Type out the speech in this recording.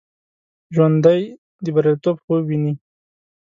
ژوندي د بریالیتوب خوب ویني